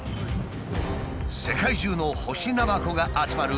世界中の干しナマコが集まる